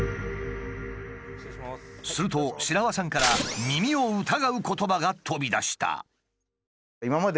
すると白輪さんから耳を疑う言葉が飛び出した。